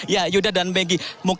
ya yuda dan beggy